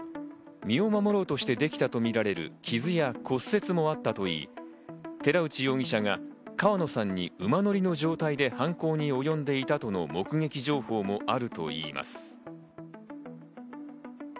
身を守ろうとしてできたとみられる傷や骨折もあったといい、寺内容疑者が川野さんに馬乗りの状態で犯行におよんでいたとの目撃情報もあるといいます。